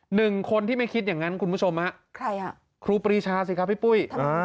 หนึ่งคนที่ไม่คิดอย่างนั้นคุณผู้ชมฮะใครอ่ะครูปรีชาสิครับพี่ปุ้ย